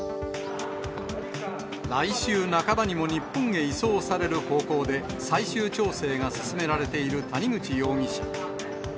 来週半ばにも日本へ移送される方向で、最終調整が進められている谷口容疑者。